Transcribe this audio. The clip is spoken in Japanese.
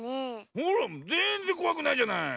ほらぜんぜんこわくないじゃない。